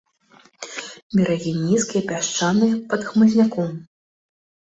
Берагі нізкія, пясчаныя, пад хмызняком.